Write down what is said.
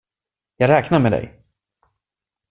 Jag räknar med dig.